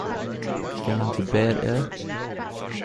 Gone to bed, eh?